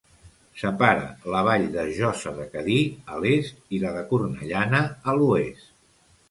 Separa la vall de Josa de Cadí, a l'est i la de Cornellana a l'oest.